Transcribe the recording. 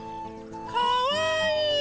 かわいい！